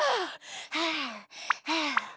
はあはあ。